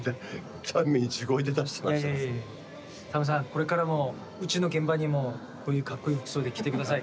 これからもうちの現場にもこういうかっこいい服装で来て下さい！